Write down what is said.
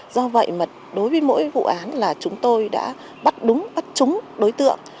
do vậy mà đối với mỗi vụ án là chúng tôi đã bắt đúng bắt chúng đối tượng